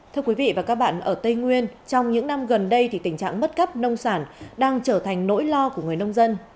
thưa quý vị và các bạn ở tây nguyên trong những năm gần đây thì tình trạng mất cấp nông sản đang trở thành nỗi lo của người nông dân